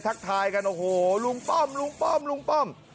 ทักทายกันโอ้โหลุงป้อมลุงป้อม